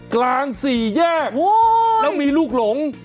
กลางสี่แยกแล้วมีลูกหลง